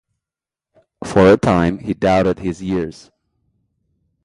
For a time he doubted his ears.